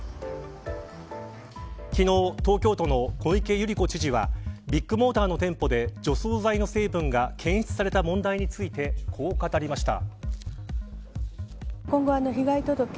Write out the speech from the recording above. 昨日、東京都の小池百合子知事はビッグモーターの店舗で除草剤の成分が検出された問題についてこう語りました。